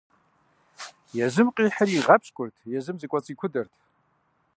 Езым къихьыр игъэпщкӀурт, езым зыкӀуэцӀикудэрт.